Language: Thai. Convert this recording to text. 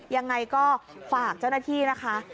ยังไงก็ฝากเจ้าหน้าที่นะคะ